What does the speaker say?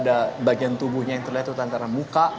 dan lebam pada bagian tubuhnya yang terlihat itu tantaran muka